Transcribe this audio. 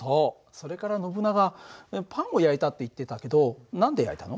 それからノブナガパンを焼いたって言ってたけど何で焼いたの？